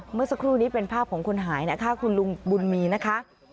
เมื่อสักครู่นี้เป็นภาพของคนหายนะคะคุณลุงบุญมีนะคะ